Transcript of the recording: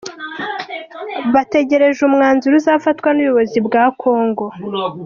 Bategereje umwanzuro uzafatwa n’ubuyobozi bwa Congo.